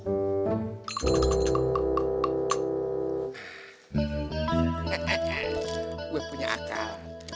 hehehe gue punya akal